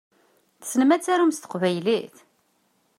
Tessnem ad tarum s teqbaylit?